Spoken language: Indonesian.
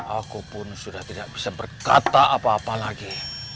aku pun sudah tidak bisa berkata apa apa lagi